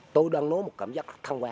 tôi đang nối một cảm giác thân quen